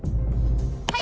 はい！